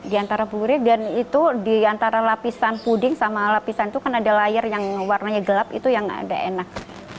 di antara puri dan itu di antara lapisan puding sama lapisan itu kan ada layar yang warnanya gelap itu yang ada enak